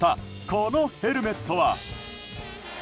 このヘルメットは。